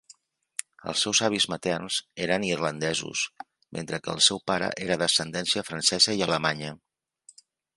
Els seus avis materns eren irlandesos, mentre que el seu pare era d'ascendència francesa i alemanya.